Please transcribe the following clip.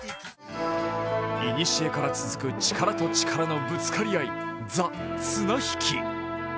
いにしえから続く力と力のぶつかり合い、ＴＨＥ綱引き。